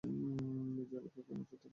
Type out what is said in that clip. মির্জা রে এইখানেই পুইতা ফেলবো।